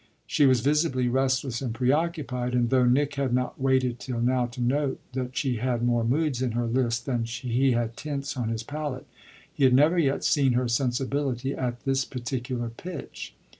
She was visibly restless and preoccupied, and though Nick had not waited till now to note that she had more moods in her list than he had tints on his palette he had never yet seen her sensibility at this particular pitch.